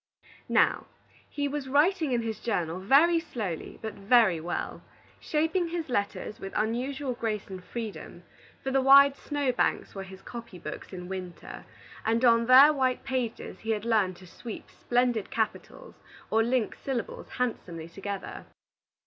Now, he was writing in his journal very slowly, but very well, shaping his letters with unusual grace and freedom; for the wide snow banks were his copy books in winter, and on their white pages he had learned to sweep splendid capitals or link syllables handsomely together.